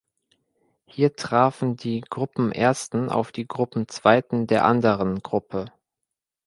Hier trafen die Gruppenersten auf die Gruppenzweiten der anderen Gruppe.